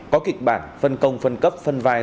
có kịch bản phân công phân cấp phân vai